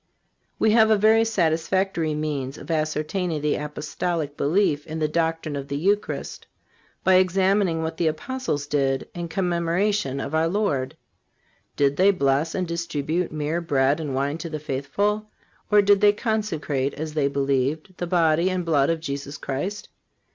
(374) We have a very satisfactory means of ascertaining the Apostolic belief in the doctrine of the Eucharist by examining what the Apostles did in commemoration of our Lord. Did they bless and distribute mere bread and wine to the faithful, or did they consecrate, as they believed, the body and blood of Jesus Christ?